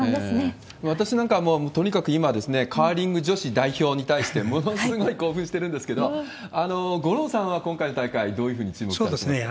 私なんかはもう、とにかく今はカーリング女子代表に対して、ものすごい興奮してるんですけど、五郎さんは今回の大会、どういうふうに注目されてますか？